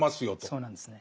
そうなんですね。